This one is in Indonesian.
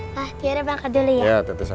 pak tiara berangkat dulu ya iya tetes aja